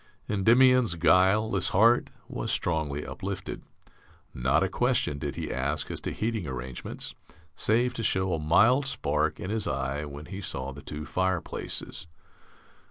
Endymion's guileless heart was strongly uplifted. Not a question did he ask as to heating arrangements, save to show a mild spark in his eye when he saw the two fireplaces.